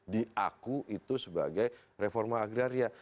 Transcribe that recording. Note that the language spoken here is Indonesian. diaku itu sebagai reforma agraria